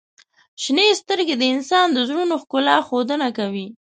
• شنې سترګې د انسان د زړونو ښکلا ښودنه کوي.